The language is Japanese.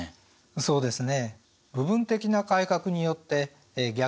そうですね。